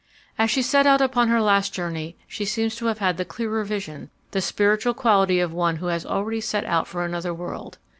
"As she set out upon her last journey, she seems to have had the clearer vision, the spiritual quality of one who has already set out for another world.